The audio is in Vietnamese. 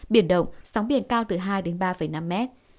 biển động sóng biển cao từ hai ba năm m